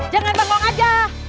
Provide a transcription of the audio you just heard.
jangan banggong aja